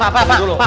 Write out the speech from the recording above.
pak pak pak